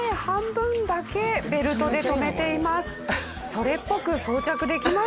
それっぽく装着できました。